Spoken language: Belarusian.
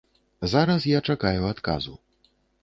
Зараз я чакаю адказу.